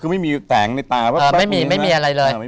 คือไม่มีแสงในตาไม่มีอะไรเลย